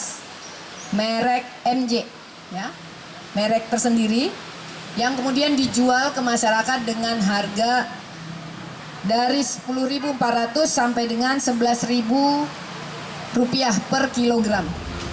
beras beras merek mj merek tersendiri yang kemudian dijual ke masyarakat dengan harga dari sepuluh empat ratus sampai dengan sebelas rupiah per kilogram